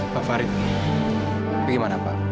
pak farid bagaimana pak